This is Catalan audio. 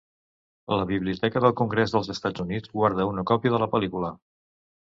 La Biblioteca del Congrés dels Estats Units guarda una còpia de la pel·lícula.